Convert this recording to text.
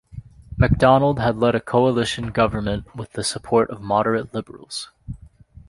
Macdonald led a coalition government with the support of moderate Liberals.